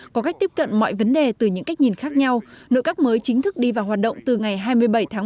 có cách tiếp cận mọi vấn đề từ những cách nhìn khác nhau nội các mới chính thức đi vào hoạt động từ ngày hai mươi bảy tháng một